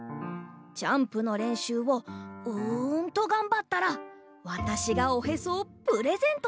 ジャンプのれんしゅうをうんとがんばったらわたしがおへそをプレゼントしてあげよう。